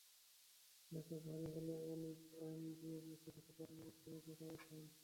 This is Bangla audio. মেকআপ ভারী হলে অলিভ অয়েল দিয়ে মুখে কিছুক্ষণ মালিশ করে মেকআপ ওঠান।